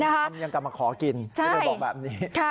อืมยังกลับมาขอกินที่เธอบอกแบบนี้